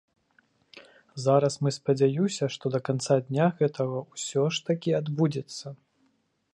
Зараз мы спадзяюся, што да канца дня гэта ўсё ж такі адбудзецца.